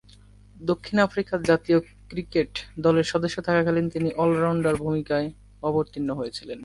দক্ষিণ আফ্রিকা জাতীয় ক্রিকেট দলের সদস্য থাকাকালীন তিনি অল-রাউন্ডারের ভূমিকায় অবতীর্ণ হয়েছিলেন।